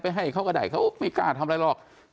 ให้เขาก็ได้เขาไม่กล้าทำอะไรหรอก